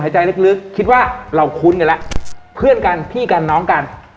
ใจลึกคิดว่าเราคุ้นกันแล้วเพื่อนกันพี่กันน้องกัน